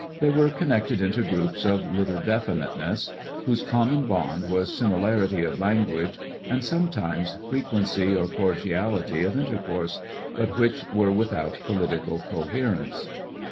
They were connected into groups of little definiteness, whose common , bond was similarity of language and sometimes frequency or cordiality of intercourse, but which were without political coherence.